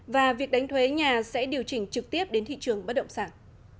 và việc đánh thuế nhà sẽ điều chỉnh trực tiếp đến thị trường bất động sản